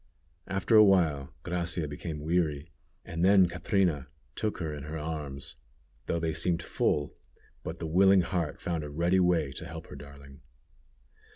After awhile Gracia became weary, and then Catrina took her in her arms, though they seemed full, but the willing heart found a ready way to help her darling.